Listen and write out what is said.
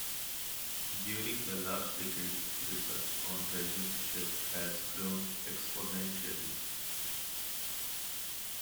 During the last decades, research on regime shift has grown exponentially.